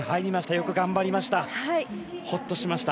よく頑張りました。